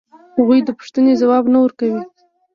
هغوی د پوښتنې ځواب نه ورکاوه.